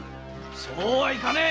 そうはいかねえ！